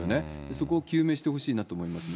そこを究明してほしいなと思いますね。